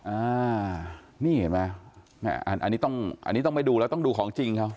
อ่านี่เห็นไหมอันนี้ต้องไปดูแล้วต้องดูของจริงเขา